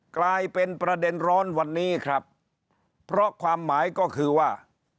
กลายเป็นประเด็นร้อนวันนี้ครับเพราะความหมายก็คือว่า